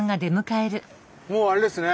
もうあれですね。